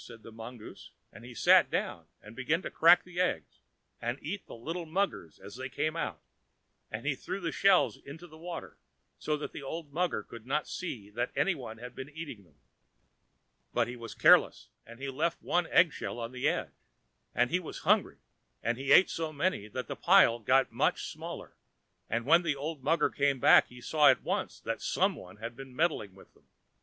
said the mongoose; and he sat down and began to crack the eggs, and eat the little muggers as they came out. And he threw the shells into the water, so that the old mugger should not see that any one had been eating them. But he was careless, and he left one egg shell on the edge, and he was hungry, and he ate so many that the pile got much smaller, and when the old mugger came back he saw at once that some one had been meddling with them.